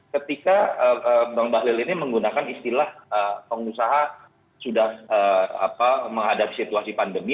ketika bang bahlil ini menggunakan istilah pengusaha sudah menghadapi situasi pandemi